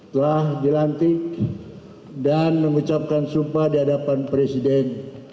telah dilantik dan mengucapkan sumpah di hadapan presiden